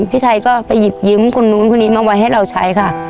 พี่ไทยก็ไปหยิบยืมคนนู้นคนนี้มาไว้ให้เราใช้ค่ะ